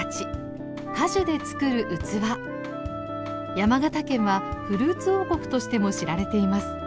山形県はフルーツ王国としても知られています。